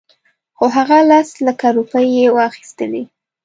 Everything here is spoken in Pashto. خو هغه لس لکه روپۍ یې وانخیستلې.